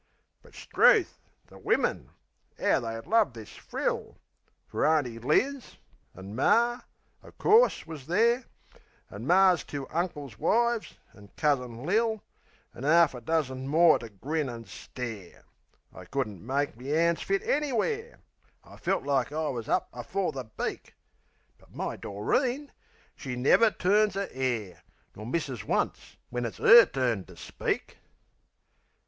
But, 'struth, the wimmin! 'Ow they love this frill! Fer Auntie Liz, an' Mar, o' course, wus there; An' Mar's two uncles' wives, an' Cousin Lil, An' 'arf a dozen more to grin and stare. I couldn't make me 'ands fit anywhere! I felt like I wus up afore the Beak! But my Doreen she never turns a 'air, Nor misses once when it's 'er turn to speak.